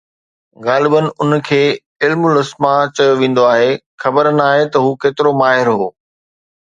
غالباً ان کي ”علم الاسماء“ چيو ويندو آهي، خبر ناهي ته هو ڪيترو ماهر هو.